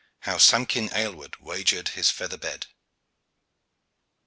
HOW SAMKIN AYLWARD WAGERED HIS FEATHER BED.